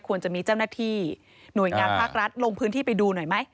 จะมีเจ้าหน้าที่หน่วยงานภาครัฐลงพื้นที่ไปดูหน่อยไหม